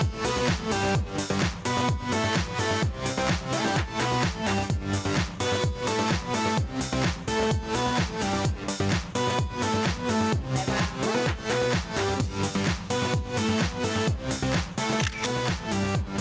เหมือนค่ะพรุ่งนี้ก็ยังติดต่อกันเพราะว่าเรายังมีบางงานเข้าได้เจอกันค่ะ